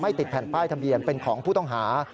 ติดแผ่นป้ายทะเบียนเป็นของผู้ต้องหา